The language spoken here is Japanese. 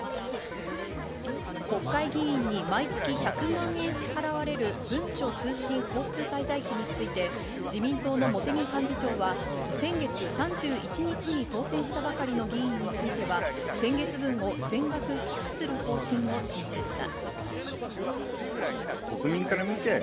国会議員に毎月１００万円支払われる文書通信交通滞在費について自民党の茂木幹事長は先月３１日に当選したばかりの議員については、先月分を全額寄付する方針を寄付しました。